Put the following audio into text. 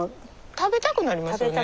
食べたくなりますよね。